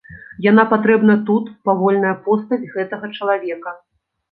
Яна патрэбна тут, павольная постаць гэтага чалавека.